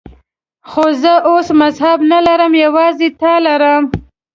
خو زه اوس مذهب نه لرم، یوازې تا لرم.